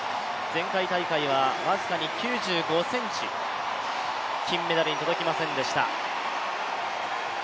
前回大会は僅かに９５ｃｍ、金メダルに届きませんでした。